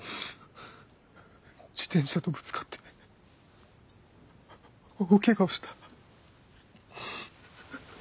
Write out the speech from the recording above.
自転車とぶつかって大ケガをした